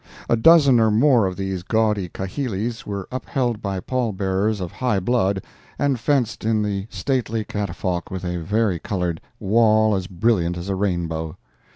A dozen or more of these gaudy kahilis were upheld by pallbearers of high blood and fenced in the stately catafalque with a vari colored wall as brilliant as a rainbow.